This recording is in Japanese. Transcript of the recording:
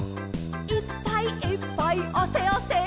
「いっぱいいっぱいあせあせ」